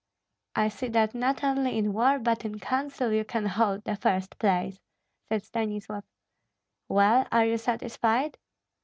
"I see that not only in war, but in council you can hold the first place," said Stanislav. "Well, are you satisfied?"